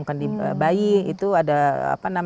kondisi bayi itu ada